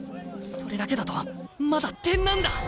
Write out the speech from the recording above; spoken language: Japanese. それだけだとまだ点なんだ。